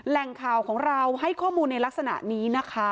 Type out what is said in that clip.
แหล่งข่าวของเราให้ข้อมูลในลักษณะนี้นะคะ